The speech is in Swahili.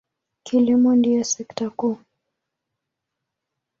Kilimo ndiyo sekta kuu.